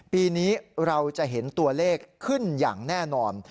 ปีนี้เราจะเห็นตัวเลขขึ้นอย่างแน่นอน